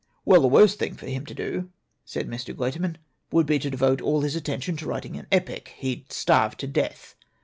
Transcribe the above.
"Well, the worst thing for him to do," said Mr. Guiterman, "would be to devote all his at tention to writing an epic. He'd starve to death.